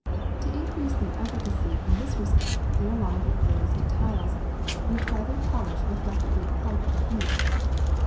To increase their efficacy in this respect they are lined with glazed tiles, which by their polish reflect a great part of the heat.